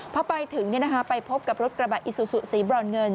พอไปถึงไปพบกับรถกระบะอิสุสุศรีบรรเงิน